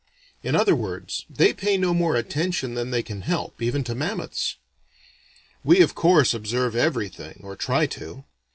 In other words, they pay no more attention than they can help, even to mammoths. We of course observe everything, or try to.